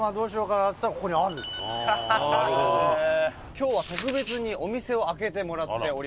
今日は特別にお店を開けてもらっております。